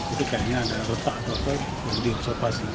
itu kayaknya ada retak atau apa yang diobservasi